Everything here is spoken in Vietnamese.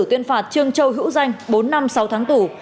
tuyên phạt trương châu hữu danh bốn năm sáu tháng tù